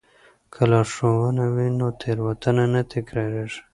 که لارښوونه وي نو تېروتنه نه تکراریږي.